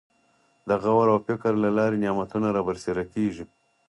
د غور او فکر له لارې نعمتونه رابرسېره کېږي.